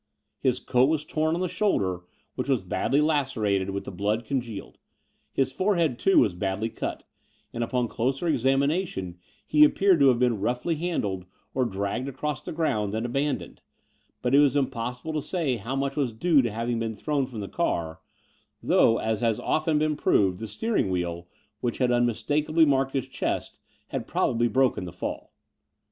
His coat was torn on the shoulder, which was badly lacerated, with the blood congealed. His forehead, too, was badly cut, and upon closer examination he appeared to have been roughly handled or dragged along the ground and aban doned : but it was impossible to say how much was due to having been thrown from the car, though, as has often been proved, the steering wheel, which had tmmistakably marked his chest, had probably broken the fall.